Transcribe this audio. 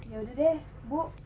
ya udah deh bu